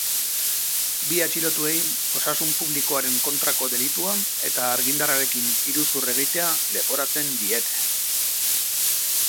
Bi atxilotuei osasun publikoaren kontrako delitua eta argindarrarekin iruzur egitea leporatzen diete.